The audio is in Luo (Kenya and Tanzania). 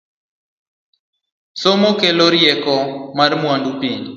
Somo kelo rieko mar mwandu piny